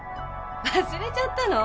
忘れちゃったの？